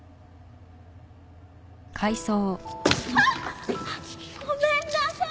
ああっ！ごめんなさい。